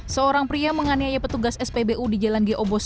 seorang pria menganiaya petugas spbu di jalan geobos